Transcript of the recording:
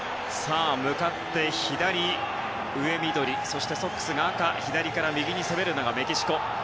向かって左上が緑そして、ソックスが赤左から右に攻めるのがメキシコ。